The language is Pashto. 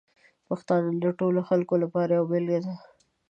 پښتانه د ټولو خلکو لپاره یوه بېلګه دي.